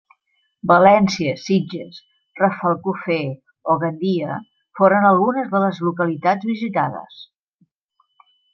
València, Sitges, Rafelcofer o Gandia foren algunes de les localitats visitades.